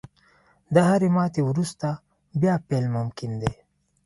• د هرې ماتې وروسته، بیا پیل ممکن دی.